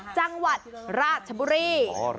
จังหวัดราชบุรี